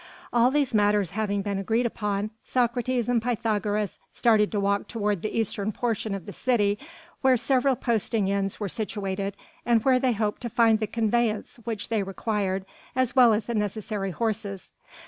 All these matters having been agreed upon, Socrates and Pythagoras started to walk toward the eastern portion of the city where several posting inns were situated and where they hoped to find the conveyance which they required as well as the necessary horses.